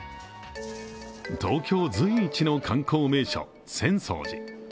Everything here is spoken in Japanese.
東京随一の観光名所、浅草寺。